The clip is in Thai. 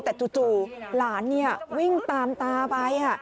แต่จู่หลานวิ่งตามตาไป